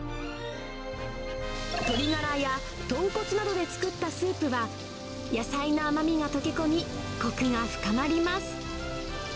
鶏がらや豚骨などで作ったスープは、野菜の甘みが溶け込み、こくが深まります。